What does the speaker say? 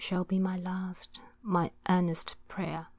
Shall be my last, my earnest prayer.